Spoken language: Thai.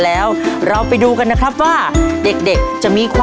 และวันนี้โรงเรียนไทรรัฐวิทยา๖๐จังหวัดพิจิตรครับ